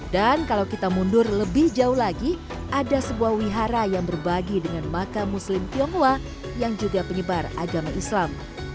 kalau kita mundur lebih jauh lagi ada sebuah wihara yang berbagi dengan makam muslim tionghoa yang juga penyebar agama islam